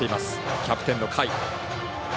キャプテンの甲斐。